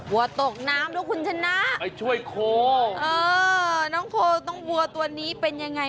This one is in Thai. วัวตกน้ำแล้วคุณชนะไปช่วยโคเออน้องโคต้องวัวตัวนี้เป็นยังไง